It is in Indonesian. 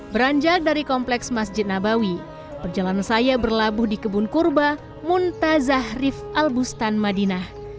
beranjak dari kompleks masjid nabawi perjalanan saya berlabuh di kebun kurba muntazahrif al bustan madinah